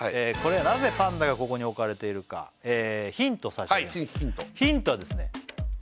これはなぜパンダがここに置かれているかヒント差し上げますヒントはですね